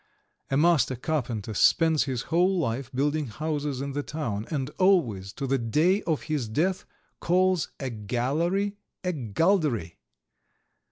A master carpenter spends his whole life building houses in the town, and always, to the day of his death, calls a "gallery" a "galdery."